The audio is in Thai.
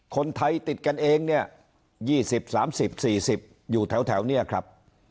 คนไทยติดกันเองเนี่ย๒๐๓๐๔๐อยู่แถวเนี่ยครับ